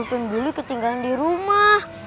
segin bu pengen beli ketinggalan di rumah